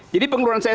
jadi pengeluaran saya